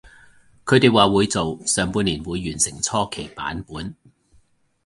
佢哋話會做，上半年會完成初期版本